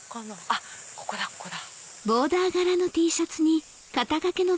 あっここだここだ。